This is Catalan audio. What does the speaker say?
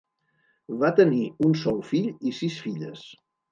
Va tenir un sol fill i sis filles.